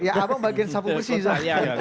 ya abang bagian sapu bersih